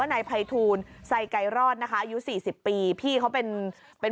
มันกลับมาที่สุดท้ายแล้วมันกลับมาที่สุดท้ายแล้ว